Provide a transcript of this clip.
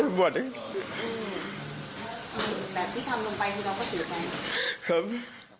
แต่ที่ทำลงไปคือเราก็เสียใจ